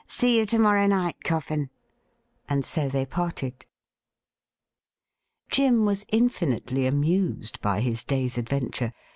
See you to morrow night. Coffin.' And so they parted. Jim was infinitely amused by his day's adventure.